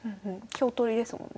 香取りですもんね。